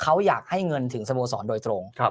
เขาอยากให้เงินถึงสโมสรโดยตรง